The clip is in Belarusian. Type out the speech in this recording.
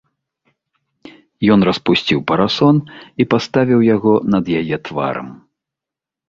Ён распусціў парасон і паставіў яго над яе тварам.